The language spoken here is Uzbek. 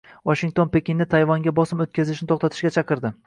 Vashington Pekinni Tayvanga bosim o‘tkazishni to‘xtatishga chaqirdi